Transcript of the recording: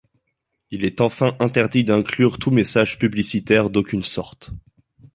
Il est enfin interdit d’inclure tout message publicitaire d’aucune sorte.